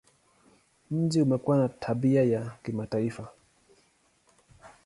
Mji umekuwa na tabia ya kimataifa.